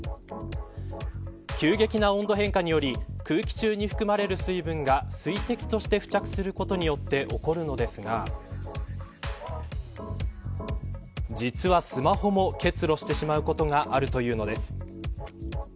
急激な温度変化により空気中に含まれる水分が水滴として付着することによって起こるのですが実は、スマホも結露してしまうことがあるというのです。